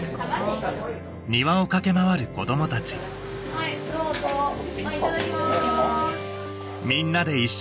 はいどうぞいただきます。